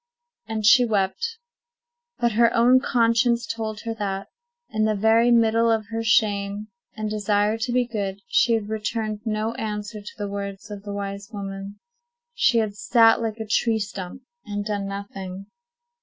And she wept. But her own conscience told her that, in the very middle of her shame and desire to be good, she had returned no answer to the words of the wise woman; she had sat like a tree stump, and done nothing.